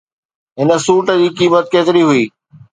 هن سوٽ جي قيمت ڪيتري هئي؟